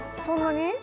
そんなに？